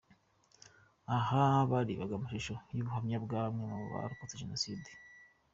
Aha barebaga amashusho y'ubuhamya bwa bamwe mu barokotse Jenoside.